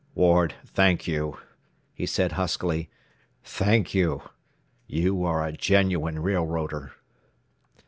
"Ward, thank you," he said huskily. "Thank you. You are a genuine railroader."